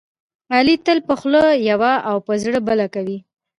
علي تل په خوله یوه او په زړه بله کوي.